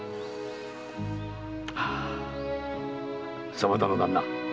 沢田の旦那。